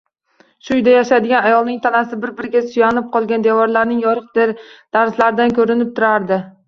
Shu uyda yashaydigan ayolning tanasi bir-biriga suyanib qolgan devorlarning yoriq-darzlaridan koʻrinib turardi